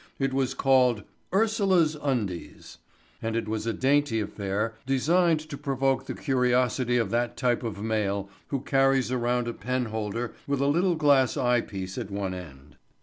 It was called "Ursula's Undies," and it was a dainty affair designed to provoke the curiosity of that type of male who carries around a pen holder with a little glass eye piece at one end.